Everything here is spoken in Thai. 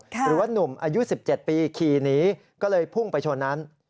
หรือว่านุ่มอายุ๑๗ปีขี่หนีก็เลยพุ่งไปชนนั้น